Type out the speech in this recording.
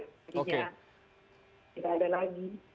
jadi ya tidak ada lagi